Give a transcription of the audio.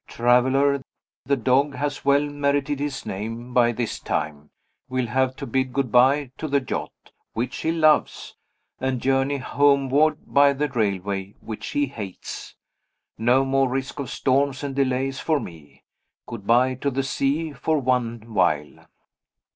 Traveler the dog has well merited his name by this time will have to bid good by to the yacht (which he loves), and journey homeward by the railway (which he hates). No more risk of storms and delays for me. Good by to the sea for one while.